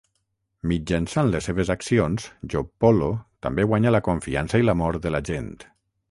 Mitjançant les seves accions, Joppolo també guanya la confiança i l'amor de la gent.